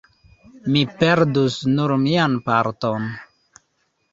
mi perdus nur mian parton.